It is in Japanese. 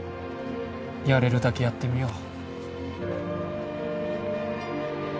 やれるだけやってみよう